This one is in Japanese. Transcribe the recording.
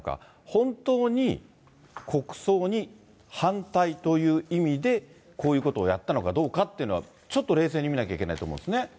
本当に国葬に反対という意味でこういうことをやったのかどうかっていうのは、ちょっと冷静に見なきゃいけないと思うんですね。